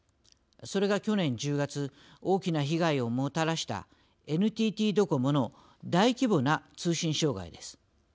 それが、去年１０月大きな被害をもたらしたＮＴＴドコモの大規模な通信障害です。